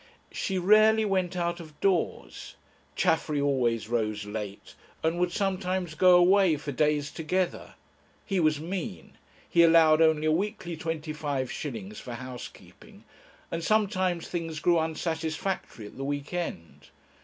She rarely went out of doors. Chaffery always rose late, and would sometimes go away for days together. He was mean; he allowed only a weekly twenty five shillings for housekeeping, and sometimes things grew unsatisfactory at the week end.